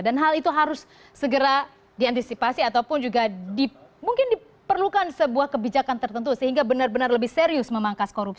hal itu harus segera diantisipasi ataupun juga mungkin diperlukan sebuah kebijakan tertentu sehingga benar benar lebih serius memangkas korupsi